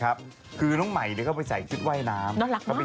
อัยเหยียบให้พิพี่กะหล่ำเร็ว